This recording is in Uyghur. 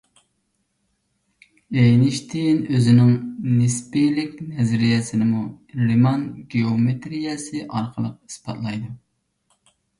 ئېينىشتېين ئۆزىنىڭ نىسپىيلىك نەزەرىيەسىنىمۇ رىمان گېئومېتىرىيەسى ئارقىلىق ئىسپاتلايدۇ.